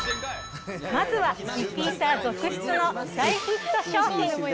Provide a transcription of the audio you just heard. まずはリピーター続出の大ヒット商品。